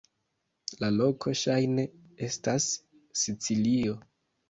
La loko ŝajne estas Sicilio.